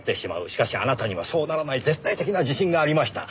しかしあなたにはそうならない絶対的な自信がありました。